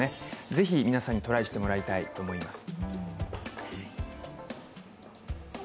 ぜひ皆さんにトライしてもらいたいと思います。